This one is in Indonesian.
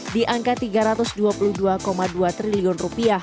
di angka rp tiga ratus dua puluh dua dua triliun